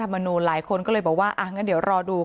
การสืบทอดอำนาจของขอสอชอและยังพร้อมจะเป็นนายกรัฐมนตรี